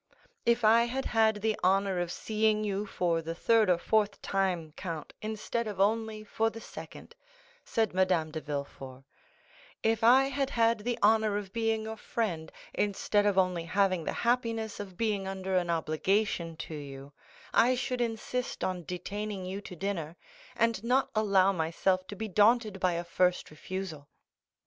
"If I had had the honor of seeing you for the third or fourth time, count, instead of only for the second," said Madame de Villefort; "if I had had the honor of being your friend, instead of only having the happiness of being under an obligation to you, I should insist on detaining you to dinner, and not allow myself to be daunted by a first refusal."